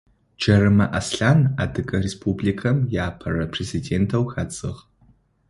Джарымэ Аслъан Адыгэ Республикэм иапэрэ президентэу хадзыгъ.